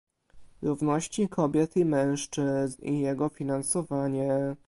Równości Kobiet i Mężczyzn i jego finansowanie